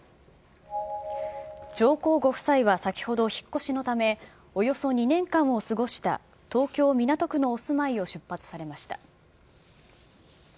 上皇ご夫妻は先ほど、引っ越しのため、およそ２年間を過ごした東京・港区のお住まいを出発されました。